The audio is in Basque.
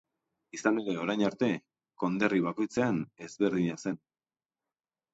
Izan ere, orain arte, konderri bakoitzean ezberdina zen.